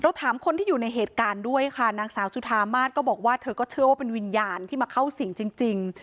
ถามคนที่อยู่ในเหตุการณ์ด้วยค่ะนางสาวจุธามาศก็บอกว่าเธอก็เชื่อว่าเป็นวิญญาณที่มาเข้าสิ่งจริง